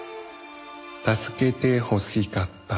「たすけてほしかった」